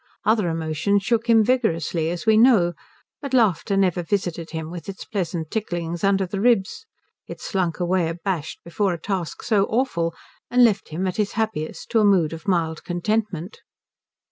Other emotions shook him vigorously as we know, but laughter never visited him with its pleasant ticklings under the ribs; it slunk away abashed before a task so awful, and left him at his happiest to a mood of mild contentment.